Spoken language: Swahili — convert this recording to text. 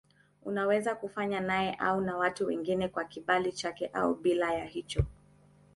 Unaweza kufanywa naye au na watu wengine kwa kibali chake au bila ya hicho.